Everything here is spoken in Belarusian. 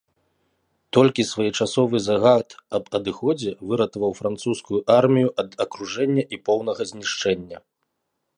Толькі своечасовы загад аб адыходзе выратаваў французскую армію ад акружэння і поўнага знішчэння.